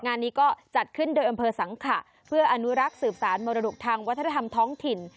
งานนี้ก็จัดขึ้นโดยอำเภอสังขะเพื่ออนุรักษ์สืบสารมรดกทางวัฒนธรรมท้องถิ่น